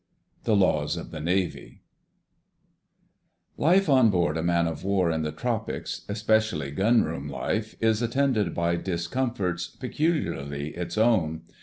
—The Laws of the Navy. Life on board a man of war in the tropics, especially Gunroom life, is attended by discomforts peculiarly its own.